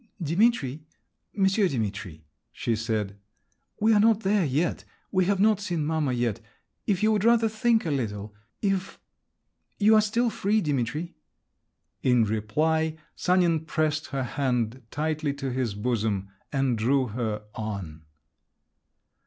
"Dimitri, Monsieur Dimitri," she said, "we are not there yet, we have not seen mamma yet…. If you would rather think a little, if … you are still free, Dimitri!" In reply Sanin pressed her hand tightly to his bosom, and drew her on.